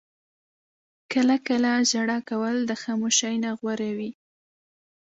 • کله کله ژړا کول د خاموشۍ نه غوره وي.